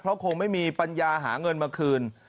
เพราะคงไม่มีปัญญาหาเงินมาคืน